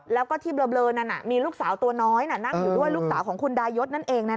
แล้วก็ที่เบลอนั้นมีลูกสาวตัวน้อยนั่งอยู่ด้วยลูกสาวของคุณดายศนั่นเองนะ